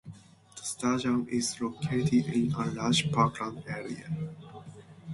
The stadium is located in a large parkland area.